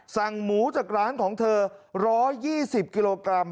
สั่งหมูจากร้านของเธอ๑๒๐กิโลกรัม